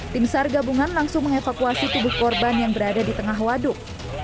tim sar gabungan langsung mengevakuasi tubuh korban yang berada di tengah waduk